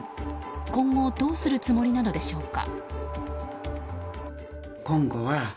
今後どうするつもりなのでしょうか。